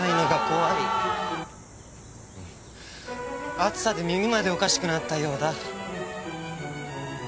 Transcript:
暑さで耳までおかしくなったようだうん。